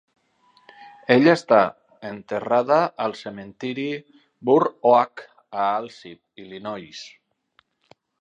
Ella està enterrada al Cementiri Burr Oak, a Alsip, Illinois.